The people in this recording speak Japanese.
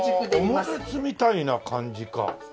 オムレツみたいな感じか。